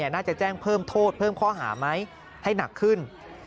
น่าจะแจ้งเพิ่มโทษเพิ่มข้อหาไหมให้หนักขึ้น